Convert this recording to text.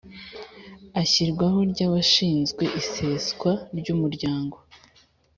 Ishyirwaho ry abashinzwe iseswa ry umuryango